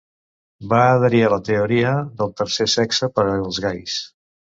Va adherir a la teoria del tercer sexe per als gais.